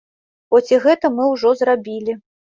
Хоць і гэта мы ўжо зрабілі.